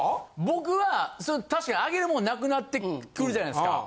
僕は確かにあげるもん無くなってくるじゃないですか。